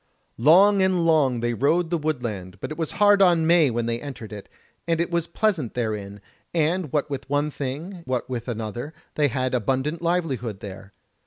Long and long they rode the woodland, but it was hard on May when they entered it, and it was pleasant therein, and what with one thing, what with another, they had abundant livelihood there.